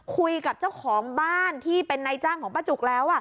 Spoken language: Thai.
คุยกับเจ้าของบ้านที่เป็นนายจ้างของป้าจุกแล้ว